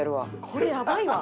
これやばいわ。